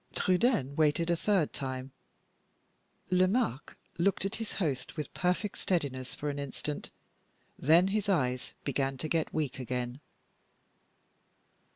Trudaine waited a third time. Lomaque looked at his host with perfect steadiness for an instant, then his eyes began to get weak again.